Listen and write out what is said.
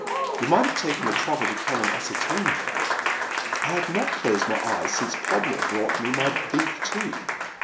" You might have taken the ti ouble to come and ascertain the fact. I have not closed my eyes since Podmore brought me my ceef tea.